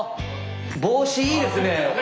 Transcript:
帽子いいですね。